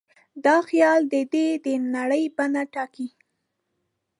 دا خیال د ده د نړۍ بڼه ټاکي.